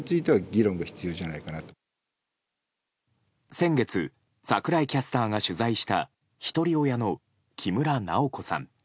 先月、櫻井キャスターが取材したひとり親の木村菜穂子さん。